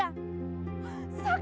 kakang gak mengerti